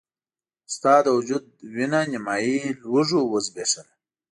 خو ستا د وجود وينه نيمایي لوږو وزبېښله.